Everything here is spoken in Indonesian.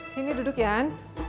sini duduk yan